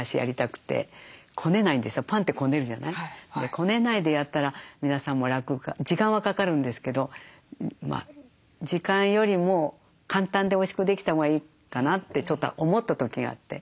こねないでやったら皆さんも楽か時間はかかるんですけど時間よりも簡単でおいしくできたほうがいいかなってちょっと思った時があって。